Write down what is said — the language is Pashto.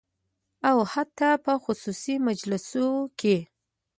او حتی په خصوصي مجالسو کې